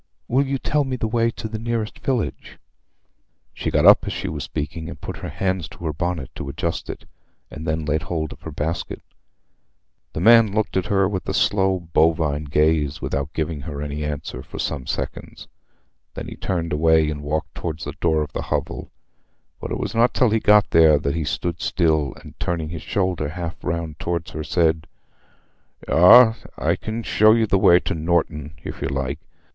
Will you tell me the way to the nearest village?" She got up as she was speaking, and put her hands to her bonnet to adjust it, and then laid hold of her basket. The man looked at her with a slow bovine gaze, without giving her any answer, for some seconds. Then he turned away and walked towards the door of the hovel, but it was not till he got there that he stood still, and, turning his shoulder half round towards her, said, "Aw, I can show you the way to Norton, if you like.